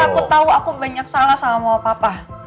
ya oke aku tahu aku banyak salah sama mama papa